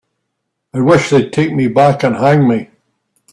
I wish they'd take me back and hang me.